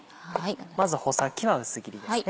まず穂先は薄切りですね。